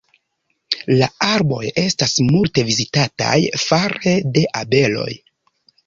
La arboj estas multe vizitataj fare de abeloj.